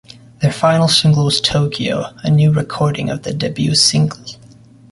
Their final single was "Tokyo", a new recording of their debut single.